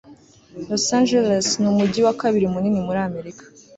los angeles ni umujyi wa kabiri munini muri amerika